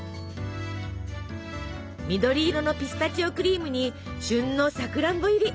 緑色のピスタチオクリームに旬のさくらんぼ入り！